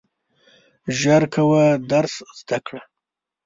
ژر کوه درس زده کړه !